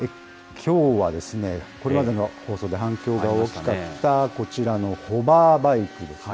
きょうは、これまでの放送で反響が大きかった、こちらのホバーバイクですね。